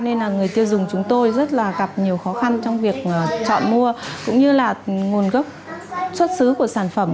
nên là người tiêu dùng chúng tôi rất là gặp nhiều khó khăn trong việc chọn mua cũng như là nguồn gốc xuất xứ của sản phẩm